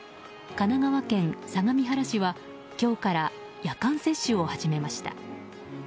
神奈川県相模原市は今日から夜間接種を始めました。